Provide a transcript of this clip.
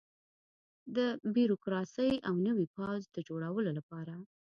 د بیروکراسۍ او نوي پوځ د جوړولو لپاره.